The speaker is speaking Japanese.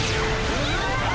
うわ！